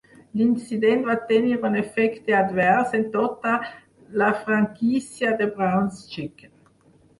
L'incident va tenir un efecte advers en tota la franquícia de Brown's Chicken.